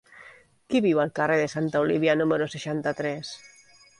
Qui viu al carrer de Santa Olívia número seixanta-tres?